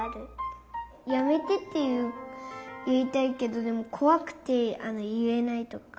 「やめて」っていいたいけどこわくていえないとか。